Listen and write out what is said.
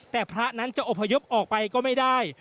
แต่พระนั้นจะอบพยพออกไปก็ไม่ได้